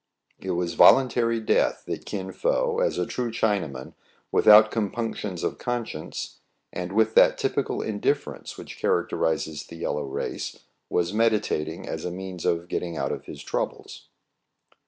It was voluntary death that Kin Fo, as a true Chinaman, without compunctions of con science, and with that typical indifference which characterizes the yellow race, was meditating as a means of getting out of his troubles.